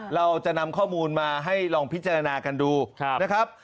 เราจะนำข้อมูลมาให้ลองพิจารณากันดูนะครับ